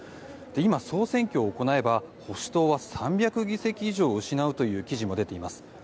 今、総選挙を行えば保守党は３００議席以上を失うという記事も出ています。